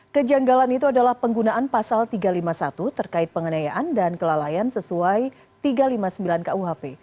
kejanggalan itu adalah penggunaan pasal tiga ratus lima puluh satu terkait penganayaan dan kelalaian sesuai tiga ratus lima puluh sembilan kuhp